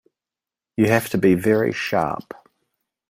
You have to be very sharp.